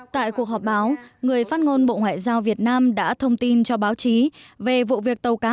tại cuộc họp báo người phát ngôn bộ ngoại giao việt nam đã thông tin cho báo chí về vụ việc tàu cá